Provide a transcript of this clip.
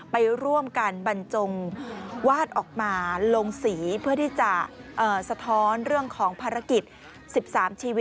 ไปร่วมกันบรรจงวาดออกมาลงสี